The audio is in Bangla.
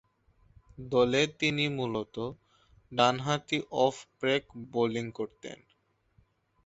দলে তিনি মূলতঃ ডানহাতি অফ-ব্রেক বোলিং করতেন।